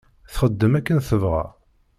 Txeddem akken tebɣa.